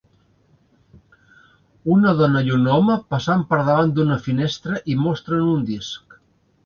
Una dona i un home passant per davant d'una finestra i mostren un disc.